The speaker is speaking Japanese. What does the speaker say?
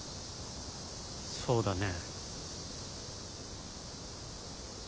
そうだね。